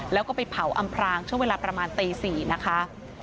แล้วก็ไปเผาอำพลางเจ้าเวลาประมาณตี๔นัดดับ